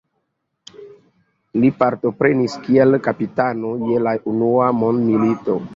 Li partoprenis kiel kapitano je la unua mondmilito.